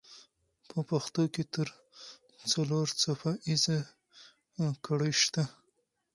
په پښتو کې تر څلور څپه ایزه ګړې شته.